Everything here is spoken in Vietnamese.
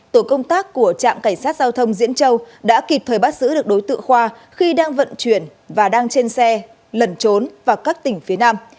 tổ công tác của trạm cảnh sát giao thông diễn châu đã kịp thời bắt giữ được đối tượng khoa khi đang vận chuyển và đang trên xe lẩn trốn vào các tỉnh phía nam